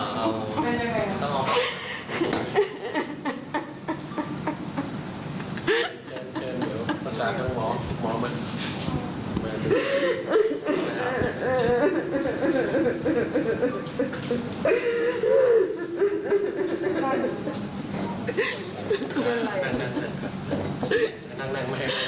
อ้าวต้องออกมา